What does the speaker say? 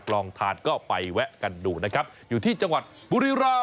ลองทานก็ไปแวะกันดูนะครับอยู่ที่จังหวัดบุรีราม